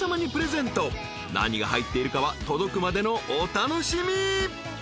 ［何が入っているかは届くまでのお楽しみ］